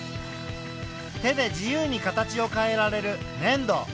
手で自由に形を変えられるねん土。